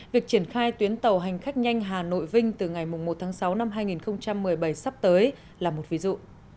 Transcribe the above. việc triển khai tuyến tàu hành khách nhanh hà nội vinh từ ngày một tháng sáu năm hai nghìn một mươi bảy sắp tới là một ví dụ